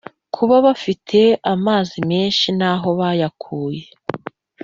Kuba bafite amazi meza n aho bayakura